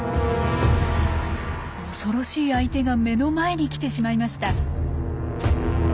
恐ろしい相手が目の前に来てしまいました。